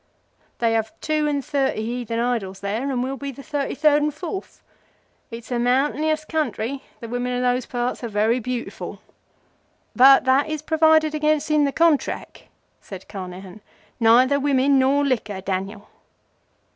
They have two and thirty heathen idols there, and we'll be the thirty third. It's a mountainous country, and the women of those parts are very beautiful." "But that is provided against in the Contrack," said Carnehan. "Neither Women nor Liquor, Daniel."